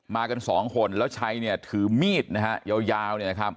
กันสองคนแล้วชัยถือมีดนะฮะยาว